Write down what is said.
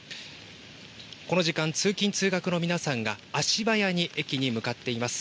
この時間、通勤・通学の皆さんが足早に駅に向かっています。